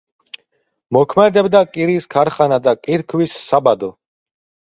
მოქმედებდა კირის ქარხანა და კირქვის საბადო.